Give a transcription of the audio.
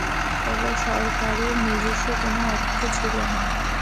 তবে সরকারের নিজস্ব কোন অর্থ ছিল না।